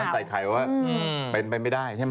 ใส่ไข่ว่าเป็นไปไม่ได้ใช่ไหม